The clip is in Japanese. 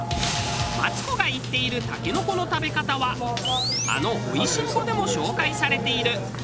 マツコが言っているタケノコの食べ方はあの『美味しんぼ』でも紹介されている通な調理法。